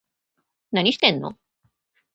何してんの